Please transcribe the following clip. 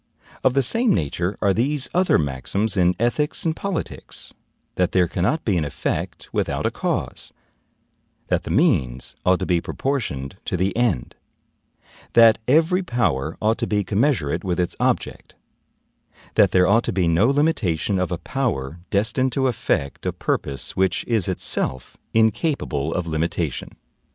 Of the same nature are these other maxims in ethics and politics, that there cannot be an effect without a cause; that the means ought to be proportioned to the end; that every power ought to be commensurate with its object; that there ought to be no limitation of a power destined to effect a purpose which is itself incapable of limitation.